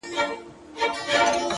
• زما دي وینه تر هغه زلمي قربان سي,